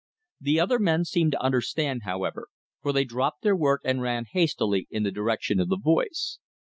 The other men seemed to understand, however, for they dropped their work and ran hastily in the direction of the voice.